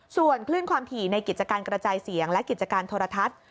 ส่วนคลื่นความถี่ในกิจการกระจายเสียงและกิจการโทรทัศน์